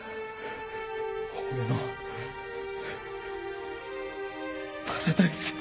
俺のパラダイスや。